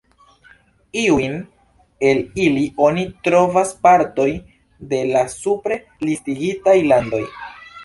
Iujn el ili oni trovas partoj de la supre listigitaj landoj.